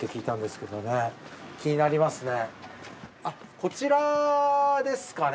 こちらですかね？